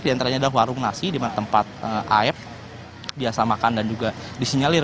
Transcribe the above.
diantaranya ada warung nasi di mana tempat af biasamakan dan juga disinyalir